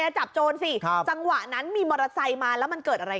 จับโจรสิจังหวะนั้นมีมอเตอร์ไซค์มาแล้วมันเกิดอะไร